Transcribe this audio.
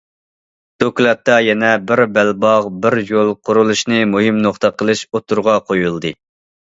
دوكلاتتا يەنە« بىر بەلباغ، بىر يول» قۇرۇلۇشىنى مۇھىم نۇقتا قىلىش ئوتتۇرىغا قويۇلدى.